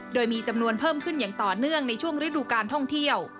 โดยมีจำนวนเพิ่มขึ้นอย่างต่อเนื่องในช่วงฤดูการท่องเที่ยว